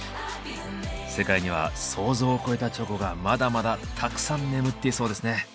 世界には想像を超えたチョコがまだまだたくさん眠っていそうですね。